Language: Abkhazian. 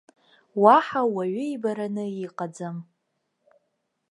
Уаҳа уаҩы ибараны иҟаӡам.